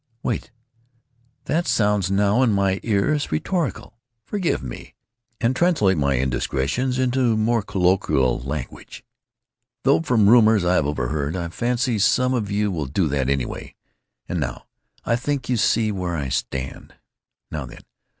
"Wait. That sounds now in my ears as rhetorical! Forgive me, and translate my indiscretions into more colloquial language. "Though from rumors I have overheard, I fancy some of you will do that, anyway.... And now, I think, you see where I stand. "Now then.